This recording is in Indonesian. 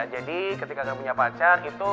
ketika gak punya pacar itu